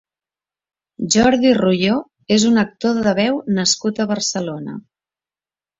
Jordi Royo és un actor de veu nascut a Barcelona.